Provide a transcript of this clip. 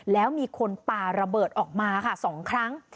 แล้วมีคนปลาระเบิดออกมาค่ะ๒ครั้ง